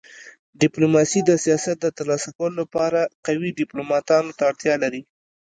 ډيپلوماسي د سیاست د تر لاسه کولو لپاره قوي ډيپلوماتانو ته اړتیا لري.